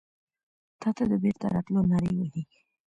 تاته د بیرته راتلو نارې وهې